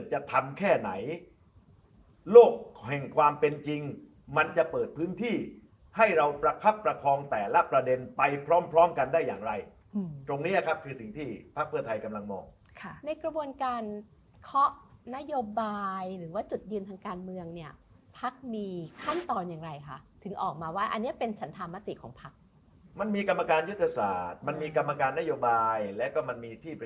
ไหนโลกแห่งความเป็นจริงมันจะเปิดพื้นที่ให้เราประคับประคองแต่ละประเด็นไปพร้อมพร้อมกันได้อย่างไรตรงนี้ครับคือสิ่งที่พระเภอไทยกำลังมองในกระบวนการเคาะนโยบายหรือว่าจุดยืนทางการเมืองเนี่ยพักมีขั้นตอนอย่างไรค่ะถึงออกมาว่าอันเนี่ยเป็นสันธรรมติของพักมันมีกรรมการยุทธศาสตร์